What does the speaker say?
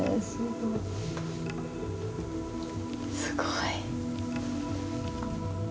すごい。